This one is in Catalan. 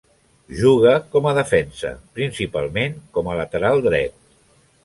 Juga com a defensa, principalment com a lateral dret.